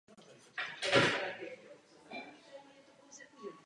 Na vrchol nevede žádná turistická značená trasa.